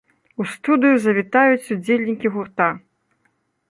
У студыю завітаюць удзельнікі гурта!